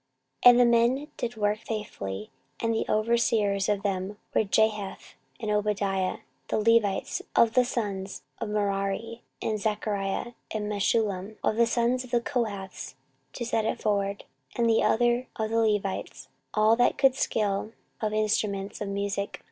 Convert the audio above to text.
14:034:012 And the men did the work faithfully: and the overseers of them were Jahath and Obadiah, the Levites, of the sons of Merari; and Zechariah and Meshullam, of the sons of the Kohathites, to set it forward; and other of the Levites, all that could skill of instruments of musick.